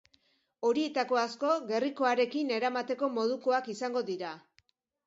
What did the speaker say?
Horietako asko gerrikoarekin eramateko modukoak izango dira.